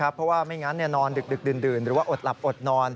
เพราะว่าไม่งั้นนอนดึกดื่นหรือว่าอดหลับอดนอน